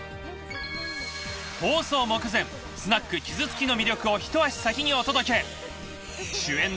放送目前『スナックキズツキ』の魅力を一足先にお届け。